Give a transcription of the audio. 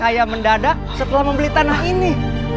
ayam mendadak setelah membeli tanah ini